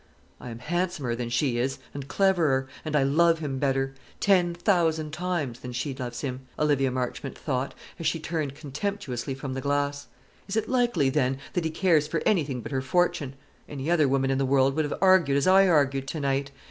"I am handsomer than she is, and cleverer; and I love him better, ten thousand times, than she loves him," Olivia Marchmont thought, as she turned contemptuously from the glass. "Is it likely, then, that he cares for anything but her fortune? Any other woman in the world would have argued as I argued to night.